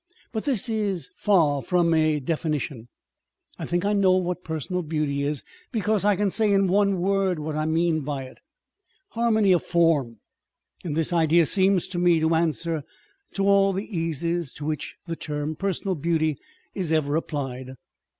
But this is far from a defini tion. I think I know what personal beauty is, because I can say in one word what I mean by it, viz., harmony of form ; and this idea seems to me to answer to all the cases to which the term personal beauty is ever applied.